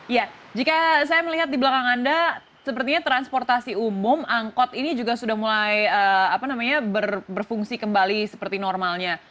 ya jika saya melihat di belakang anda sepertinya transportasi umum angkot ini juga sudah mulai berfungsi kembali seperti normalnya